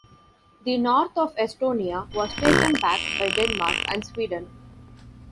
The north of Estonia was taken back by Denmark and Sweden.